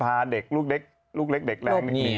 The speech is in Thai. หลังสู่อุปแฟนไว้